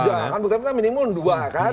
oh iya bukti permulaan minimum dua kan